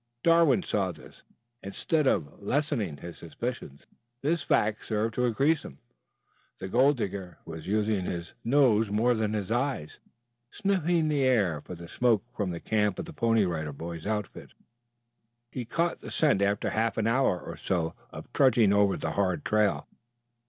Darwood saw this. Instead of lessening his suspicions this fact served to increase them. The gold digger was using his nose more than his eyes, sniffing the air for the smoke from the camp of the Pony Rider Boys' outfit. He caught the scent after half an hour or so of trudging over the hard trail.